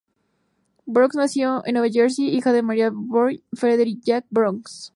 Brookes nació en Nueva Jersey, hija de Maria Victoire y Frederick Jack Brookes.